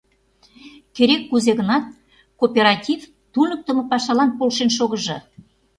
Керек-кузе гынат кооператив туныктымо пашалан полшен шогыжо.